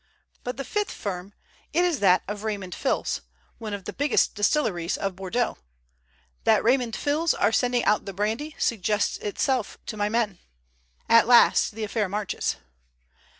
But the fifth firm, it is that of Raymond Fils, one of the biggest distilleries of Bordeaux. That Raymond Fils are sending out the brandy suggests itself to my men. At last the affair marches."